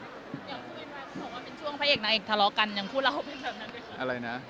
อยากพูดไหมค่ะ